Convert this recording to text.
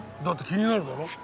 だって気になるだろ？